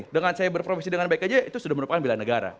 dengan saya berprofesi dengan baik aja itu sudah merupakan bela negara